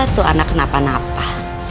tuh anak kenapa napa